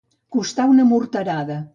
Costar una morterada.